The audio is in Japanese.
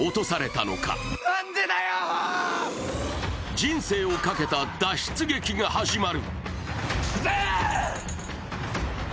人生をかけた脱出劇が始まる。